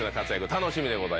楽しみでございます。